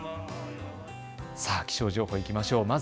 気象情報いきましょう。